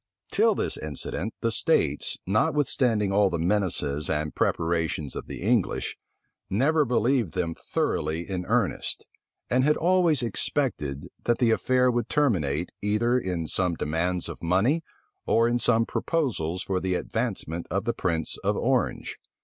Till this incident, the states, notwithstanding all the menaces and preparations of the English, never believed them thoroughly in earnest; and had always expected, that the affair would terminate, either in some demands of money, or in some proposals for the advancement of the prince of Orange.